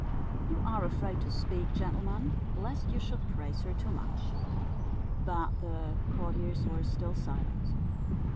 "You are afraid to speak, gentlemen, lest you should praise her too much." But the courtiers were still silent.